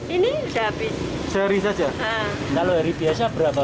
ini sudah habis